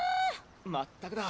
まったくだ。